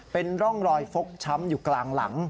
เป็นร่องรอยฟกช้ำอยู่กลางหลัง